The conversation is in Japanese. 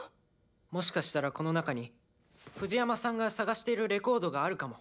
もしかしたらこの中にフジヤマさんが探してるレコードがあるかも。